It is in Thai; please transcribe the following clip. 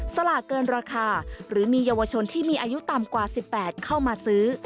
สลากเกินราคาหรือมีเยาวชนที่มีอายุต่ำกว่า๑๘เข้ามาซื้อ